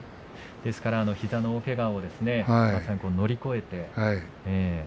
ですから膝の大けがを乗り越えて。